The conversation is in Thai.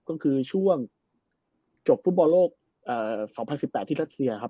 ก็คือช่วงจบฟุตบอลโลก๒๐๑๘ที่รัสเซียครับ